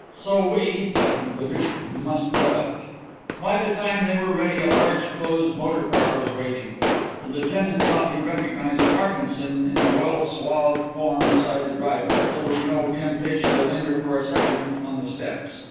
"So we," he concluded, "must get up." By the time they were ready a large closed motor car was waiting. The lieutenant thought he recognized Parkinson in the well swathed form beside the driver, but there was no temptation to linger for a second on the steps.